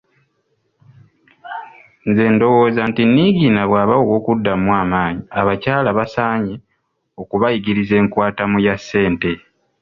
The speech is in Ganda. Nze ndowooza nti Niigiina bw’aba ow’okuddamu amaanyi, abakyala basaanye okubayigiriza enkwatamu ya ssente.